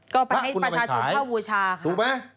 ก็ไปให้ประชาชุทธาวุชาค่ะ